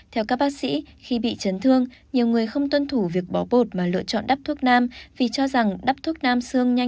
theo các bác sĩ khi bị trấn thương nhiều người không tuân thủ việc bỏ bột mà lựa chọn đắp thuốc nam